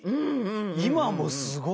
今もすごくない？